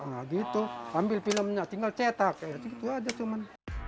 nah gitu ambil filmnya tinggal cetak kayak gitu aja cuman